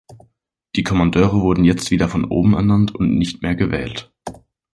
Die Kommandeure wurden jetzt wieder von oben ernannt und nicht mehr gewählt.